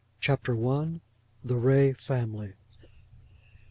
CHAPTER I. THE RAY FAMILY.